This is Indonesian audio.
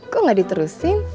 kok gak diterusin